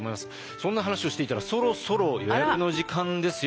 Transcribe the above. そんな話をしていたらそろそろ予約の時間ですよこれ。